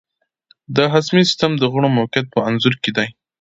د هاضمې سیستم د غړو موقیعت په انځور کې دی.